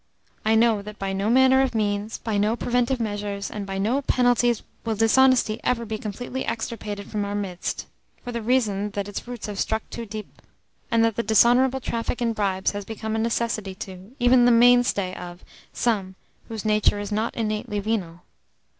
I know that by no manner of means, by no preventive measures, and by no penalties will dishonesty ever be completely extirpated from our midst, for the reason that its roots have struck too deep, and that the dishonourable traffic in bribes has become a necessity to, even the mainstay of, some whose nature is not innately venal.